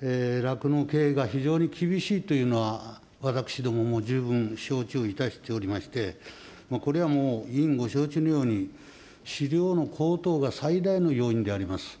酪農経営が非常に厳しいというのは、私どもも十分承知をいたしておりまして、これはもう、委員ご承知のように、飼料の高騰が最大の要因であります。